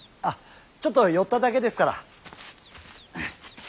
あっちょっと寄っただけですから。